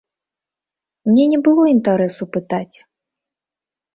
Мне не было інтарэсу пытаць.